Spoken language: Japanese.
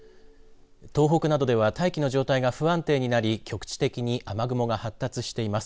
東北などでは大気の状態が不安定になり局地的に雨雲が発達しています。